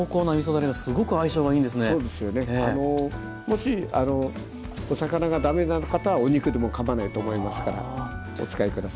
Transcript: もしお魚が駄目な方はお肉でもかまわないと思いますからお使い下さい。